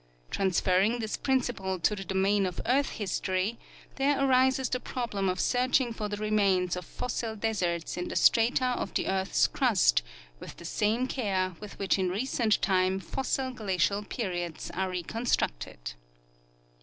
Transferring this principle to the domain of earth history, there arises the problem of searching for the remains of fossil deserts in the strata of the earth's crust with the same care with which in recent time fossil glacial periods are reconstructed.